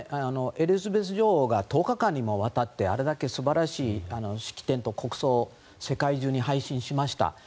エリザベス女王が１０日間にもわたってあれだけ素晴らしい式典と国葬を世界中に配信しました。